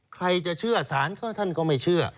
ใครจะเชื่อสารก็ท่านก็ไม่เชื่อ